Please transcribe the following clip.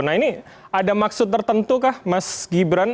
nah ini ada maksud tertentu kah mas gibran